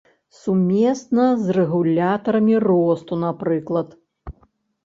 Сумесна з рэгулятарамі росту, напрыклад.